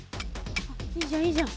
いいじゃんいいじゃん。